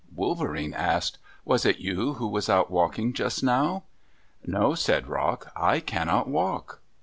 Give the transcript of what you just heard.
Wolverene asked, "Was it you who was out walking just now?" "No," said Rock, "I cannot walk."